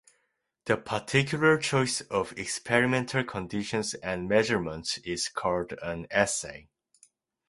The particular choice of experimental conditions and measurements is called an assay.